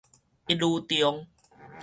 一女中